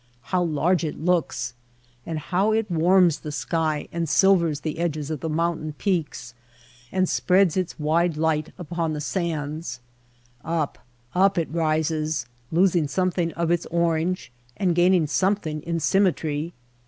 How large it looks ! And how it warms the sky, and silvers the edges of the mountain peaks, and spreads its wide light across the sands ! Up, up it rises, losing something of its orange and gaining something in symmetry.